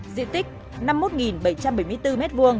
diện tích năm mươi một bảy trăm bảy mươi bốn m hai